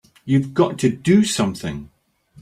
You've got to do something!